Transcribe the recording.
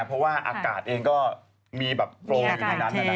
เพราะอากาศเองก็มีโปรอยู่ทางนั้น